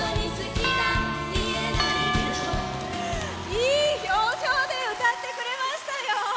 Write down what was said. いい表情で歌ってくれましたよ。